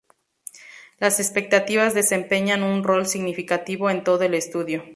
Las expectativas desempeñan un rol significativo en todo el estudio.